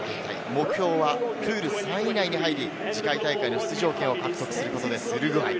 目標はプール３位以内に入り、次回大会の出場権を獲得することです、ウルグアイ。